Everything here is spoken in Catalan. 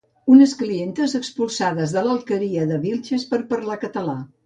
Unes clientes expulsades de l'Alquería de Vilches per parlar en català